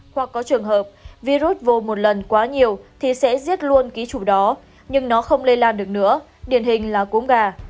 hoặc có trường hợp virus vô một lần quá nhiều thì sẽ giết luôn ký chủ đó nhưng nó không lây lan được nữa điển hình là cúm gà